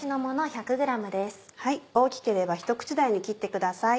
大きければひと口大に切ってください。